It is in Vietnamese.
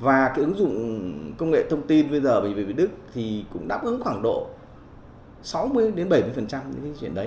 và cái ứng dụng công nghệ thông tin bây giờ bởi vnđ thì cũng đáp ứng khoảng độ sáu mươi bảy mươi trong cái chuyện đấy